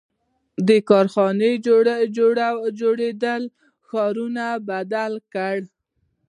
• د کارخانو جوړېدو ښارونه بدل کړل.